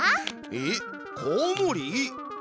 えっコウモリ？